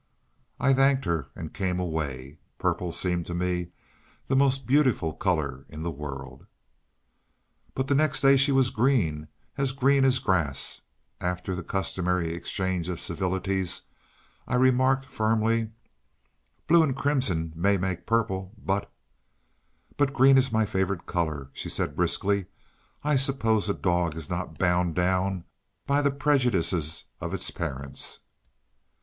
I thanked her, and came away. Purple seemed to me the most beautiful colour in the world. But the next day she was green as green as grass. After the customary exchange of civilities, I remarked firmly "Blue and crimson may make purple, but " "But green is my favourite colour," she said briskly. "I suppose a dog is not to be bound down by the prejudices of its parents?"